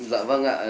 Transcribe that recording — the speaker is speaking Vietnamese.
dạ vâng ạ